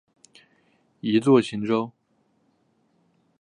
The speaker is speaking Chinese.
一作晴州。